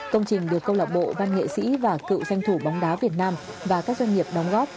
công trình được công lọc bộ ban nghệ sĩ và cựu doanh thủ bóng đá việt nam và các doanh nghiệp đóng góp